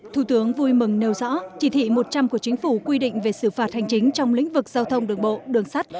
thủ tướng vui mừng nêu rõ chỉ thị một trăm linh của chính phủ quy định về xử phạt hành chính trong lĩnh vực giao thông đường bộ đường sắt